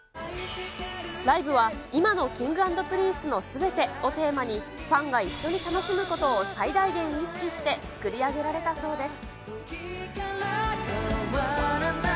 ライブは今のＫｉｎｇ＆Ｐｒｉｎｃｅのすべてをテーマに、ファンが一緒に楽しむことを最大限意識して作り上げられたそうです。